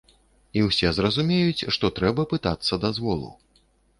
І усе зразумеюць, што трэба пытацца дазволу.